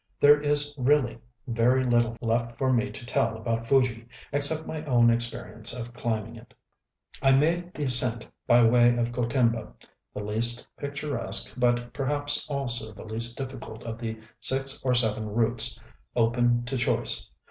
There is really very little left for me to tell about Fuji except my own experience of climbing it. I made the ascent by way of Gotemba, the least picturesque, but perhaps also the least difficult of the six or seven routes open to choice.